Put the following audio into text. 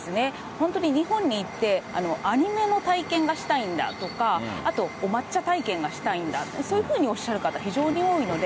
本当に日本に行って、アニメの体験がしたいんだとか、あとお抹茶体験がしたいんだ、そういうふうにおっしゃる方、非常に多いので、